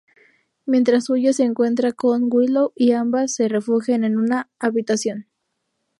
Mientras huye, se encuentra con Willow y ambas se refugian en una habitación.